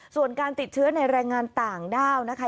ส่วนการติดเชื้อในแรงงานต่างด้าวนะคะ